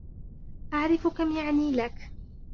أعرفُ كَم يعني لكِ.